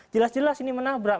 jelas jelas ini menabrak